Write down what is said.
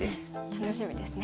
楽しみですね。